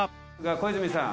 小泉さん